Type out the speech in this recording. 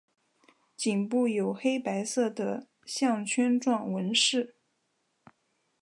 颈部有黑白色的项圈状纹饰。